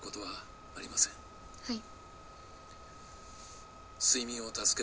はい。